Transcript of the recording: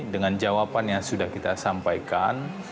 dengan jawaban yang sudah kita sampaikan